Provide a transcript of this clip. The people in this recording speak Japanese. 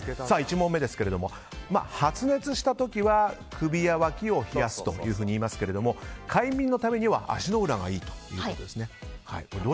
１問目ですけれども発熱した時は首やわきを冷やすといいますけども快眠のためには足の裏がいいということですね。